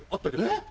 えっ？